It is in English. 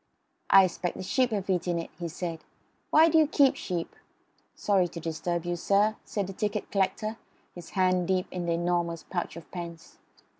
"I expect the sheep have eaten it," he said. "Why do you keep sheep?" "Sorry to disturb you, sir," said the ticket collector, his hand deep in the enormous pouch of pence.